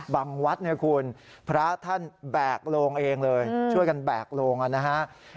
วัดเนี่ยคุณพระท่านแบกโลงเองเลยช่วยกันแบกโลงนะฮะ